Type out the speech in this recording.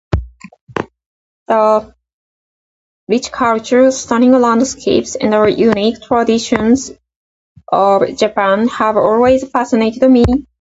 The rich culture, stunning landscapes, and unique traditions of Japan have always fascinated me.